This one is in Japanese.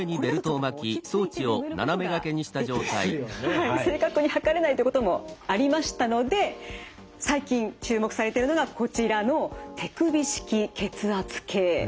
はい正確に測れないということもありましたので最近注目されているのがこちらの手首式血圧計なんです。